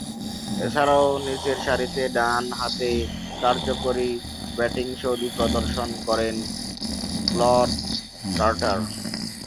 এছাড়াও, নিচেরসারিতে ডানহাতে কার্যকরী ব্যাটিংশৈলী প্রদর্শন করেছেন ক্লদ কার্টার।